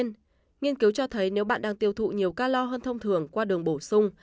nghiên cứu cho thấy nếu bạn đang tiêu thụ nhiều ca lo hơn thông thường qua đường bổ sung